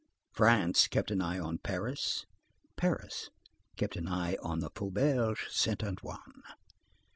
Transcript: France kept an eye on Paris; Paris kept an eye on the Faubourg Saint Antoine.